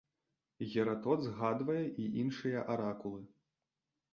Герадот згадвае і іншыя аракулы.